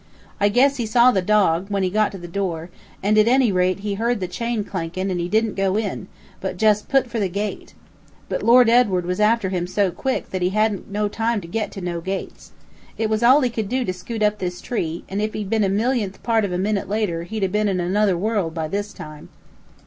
I guess he saw the dog, when he got to the door, and at any rate he heard the chain clankin', and he didn't go in, but just put for the gate. But Lord Edward was after him so quick that he hadn't no time to go to no gates. It was all he could do to scoot up this tree, and if he'd been a millionth part of a minute later he'd 'a' been in another world by this time."